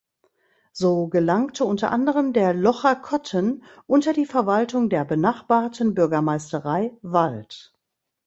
So gelangte unter anderem der Locher Kotten unter die Verwaltung der benachbarten Bürgermeisterei Wald.